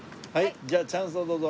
じゃあチャンスをどうぞ。